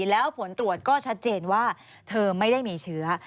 แล้วผลตรวจก็ชัดเจนว่าเธอไม่ได้มีเชื้อ